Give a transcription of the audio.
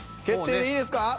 決定でいいですか？